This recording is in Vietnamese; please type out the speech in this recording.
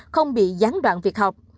không bị gián đoạn việc học